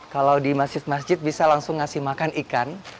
kalau di masjid masjid bisa langsung ngasih makan ikan